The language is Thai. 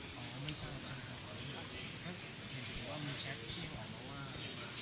เห็นว่ามีแช็กก็เรียกออกนะว่า